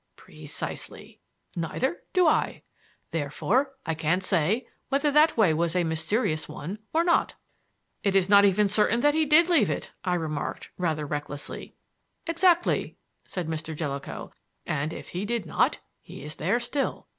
"Precisely. Neither do I. Therefore I can't say whether that way was a mysterious one or not." "It is not even certain that he did leave it," I remarked, rather recklessly. "Exactly," said Mr. Jellicoe. "And if he did not, he is there still.